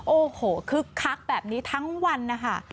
โอ้โหคึกคักแบบนี้ทั้งวันนะคะ